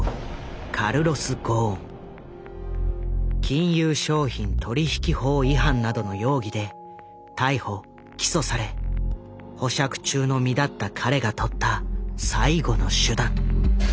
金融商品取引法違反などの容疑で逮捕起訴され保釈中の身だった彼が取った最後の手段。